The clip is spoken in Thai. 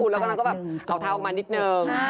แล้วกอลั่นก็แบบเกาะเท้าออกมานิดหนึ่ง